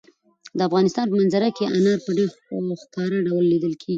د افغانستان په منظره کې انار په ډېر ښکاره ډول لیدل کېږي.